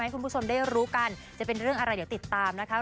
คุณผู้ชมได้รู้กันจะเป็นเรื่องอะไรเดี๋ยวติดตามนะคะ